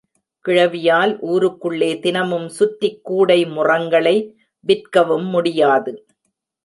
கிழவியால் ஊருக்குள்ளே தினமும் சுற்றிக் கூடை முறங்களை விற்கவும் முடியாது.